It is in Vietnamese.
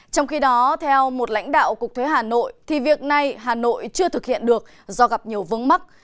trong khi đó theo một lãnh đạo cục thuế hà nội thì việc này hà nội chưa thực hiện được do gặp nhiều vướng mắt